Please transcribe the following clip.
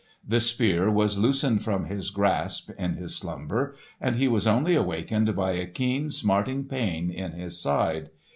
The Spear was loosened from his grasp, in his slumber, and he was only awakened by a keen, smarting pain in his side.